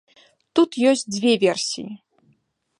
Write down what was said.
Тут ёсць дзве версіі.